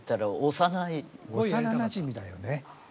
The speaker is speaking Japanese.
幼なじみだよね。